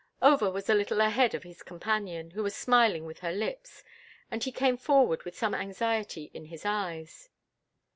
Over was a little ahead of his companion, who was smiling with her lips, and he came forward with some anxiety in his eyes.